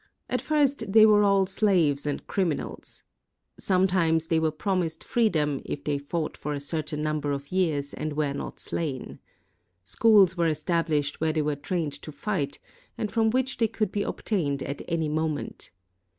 At first they were all slaves and criminals. Sometimes they were promised freedom if they fought for a certain number of years and were not slain. Schools were estabUshed where they were trained to fight, and from which they could be obtained at any moment.